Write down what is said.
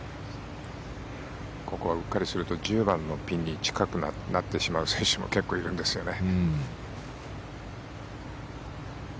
ここはうっかりすると１０番のピンに近くなってしまう選手も結構いるんですよね。